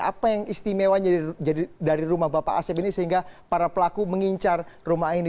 apa yang istimewanya dari rumah bapak asep ini sehingga para pelaku mengincar rumah ini